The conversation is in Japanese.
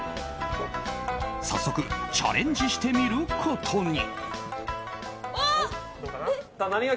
早速チャレンジしてみることに。